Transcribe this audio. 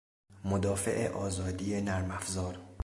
مدافع آزادی نرمافزار